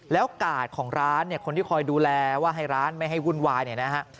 แล้วกาดของร้านเนี่ยคนที่คอยดูแลว่าให้ร้านไม่ให้วุ่นวายเนี่ยนะฮะ